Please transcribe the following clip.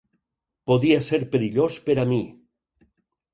Podia ser perillós per a mi